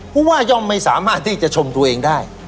ผู้ว่าย่อมไม่สามารถที่จะชมตัวเองได้